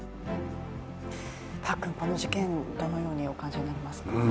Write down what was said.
パックン、この事件どのようにお感じになりますか。